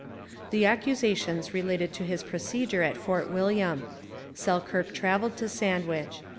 The accusations related to his procedure at Fort William. Selkirk travelled to Sandwich.